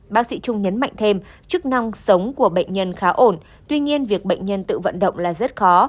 bác sĩ trung nhấn mạnh thêm chức năng sống của bệnh nhân khá ổn tuy nhiên việc bệnh nhân tự vận động là rất khó